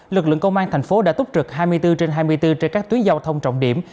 lực lượng công an thành phố đã túc trực hai mươi bốn trên hai mươi bốn trên các tuyến giao thông trọng điểm